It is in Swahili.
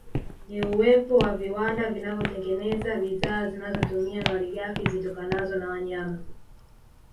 Ni uwepo wa viwanda vinavyotengeneza bidhaa zinazotumia malighafi zitokanazo na wayama